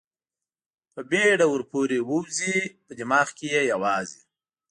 په بېړه ور پورې ووځي، په دماغ کې یې یوازې.